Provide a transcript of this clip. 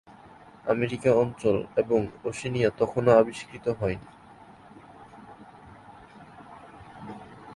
America অঞ্চল এবং Oceania তখনও আবিষ্কৃত হয়নি।